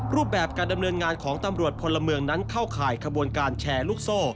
รูปแบบการดำเนินงานของตำรวจพลเมืองนั้นเข้าข่ายขบวนการแชร์ลูกโซ่